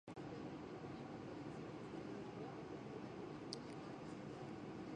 今、データの不足に貢献できるのは、あなたしかいない。